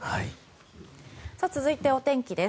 続いて、お天気です。